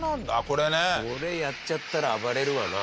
これやっちゃったら暴れるわな。